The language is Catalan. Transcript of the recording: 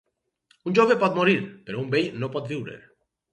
Un jove pot morir, però un vell no pot viure.